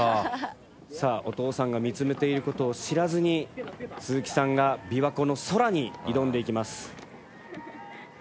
さあお父さんが見つめている事を知らずに鈴木さんが琵琶湖の空に挑んでいきます。